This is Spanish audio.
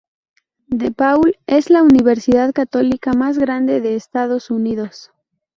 DePaul es la universidad católica más grande de Estados Unidos.